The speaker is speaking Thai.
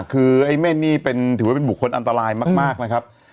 คือไอ้เม่นนี่ถือว่าเป็นบุคคลอันตรายมากนะครับ